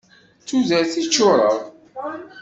D tudert i ččureɣ.